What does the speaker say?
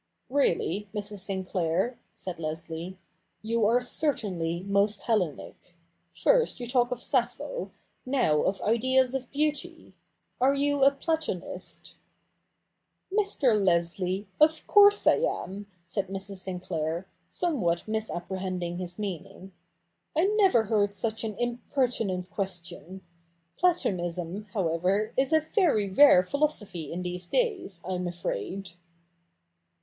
' Really, Mrs. Sinclair,' said Leslie, ' you are certainly most Hellenic. First you talk of Sappho, now of Ideas of Beauty. Are you a Platonist ?'' Mr. Leslie, of course I am,' said Mrs. Sinclair, some what misapprehending his meaning. ' I never heard such an impertinent question.} Platonism, however, is a very rare philosophy in these days, I'm afraid.'